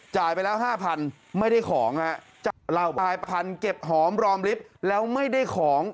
จ่ายไปแล้ว๕๐๐๐ไม่ได้ของจ่ายไปแล้ว๕๐๐๐เก็บหอมรอมลิฟต์แล้วไม่ได้ของ